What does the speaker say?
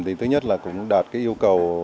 thì thứ nhất là cũng đạt yêu cầu